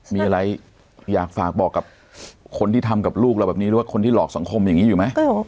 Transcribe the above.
มีอะไรอยากฝากบอกกับคนที่ทำกับลูกเราแบบนี้หรือว่าคนที่หลอกสังคมอย่างนี้อยู่ไหม